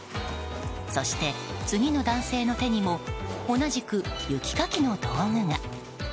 そして、次の男性の手にも同じく雪かきの道具が。